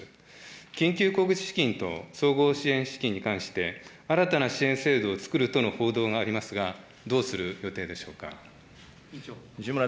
緊急小口資金と総合支援資金に関して、新たな支援制度を作るとの報道がありますが、どうする予定でしょうか。